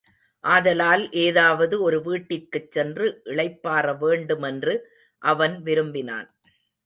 ஆதலால் ஏதாவது ஒரு வீட்டிற்குச்சென்று இளைப்பாற வேண்டு மென்று அவன் விரும்பினான்.